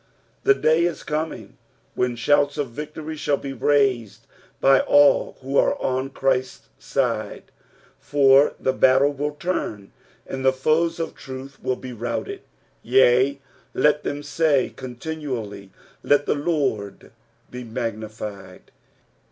The day is coming when shouts of victory shall be raised by all who are on Christ's aide, for the battle will turn, and the foes of truth shall bo routed. "F&i, let them tay rontinuaUy, Let the Lord he magnified.'''